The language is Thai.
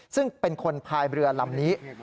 ซึ่งเป็นคนพายเรือลำนี้